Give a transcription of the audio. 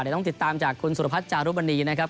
แต่ต้องติดตามจากคุณสุโรพัชย์จารุสบรรณีนะครับ